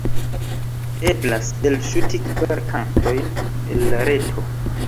Eblas elŝuti kvar kantojn el la reto.